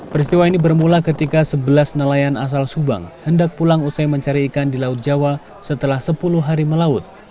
peristiwa ini bermula ketika sebelas nelayan asal subang hendak pulang usai mencari ikan di laut jawa setelah sepuluh hari melaut